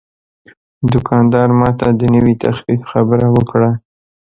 دوکاندار ماته د نوې تخفیف خبره وکړه.